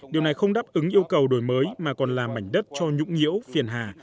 điều này không đáp ứng yêu cầu đổi mới mà còn làm mảnh đất cho nhũng nhiễu phiền hà